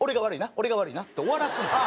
俺が悪いな？」で終わらすんですよ。